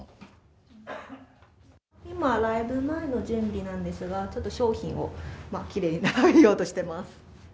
今、ライブ前の準備なんですが、ちょっと商品をきれいに並べようとしてます。